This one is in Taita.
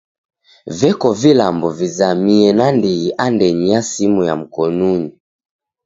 Veko vilambo vizamie nandighi andenyi ya simu ya mkonunyi.